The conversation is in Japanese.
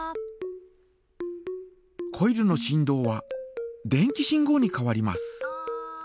コイルの振動は電気信号に変わります。